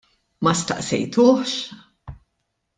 Ma staqsejtuhx?